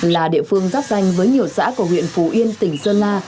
là địa phương giáp danh với nhiều xã của huyện phú yên tỉnh sơn la